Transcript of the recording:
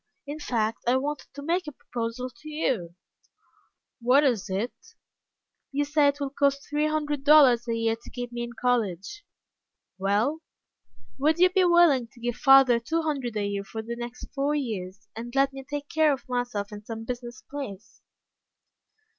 In fact, I wanted to make a proposal to you." "What is it?" "You say it will cost three hundred dollars a year to keep me in college?" "Well?" "Would you be willing to give father two hundred a year for the next four years, and let me take care of myself in some business place?"